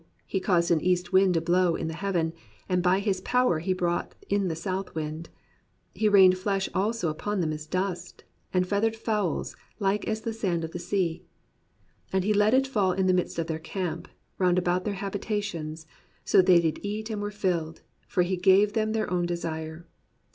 He caused an east wind to blow in the heaven. And by his power he brought in the south wind. He rained flesh also upon them as dtist. And feathered fowls like as the sand of the sea. And he let it fall in the midst of their camp. Round about their habitations; So they did eat and were filled. For he gave them their own desire.